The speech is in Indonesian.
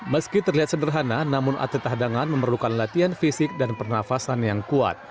meski terlihat sederhana namun atlet hadangan memerlukan latihan fisik dan pernafasan yang kuat